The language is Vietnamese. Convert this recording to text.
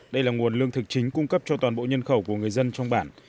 đây là nguồn lương thực chính cung cấp cho toàn bộ nhân khẩu của người dân trong bản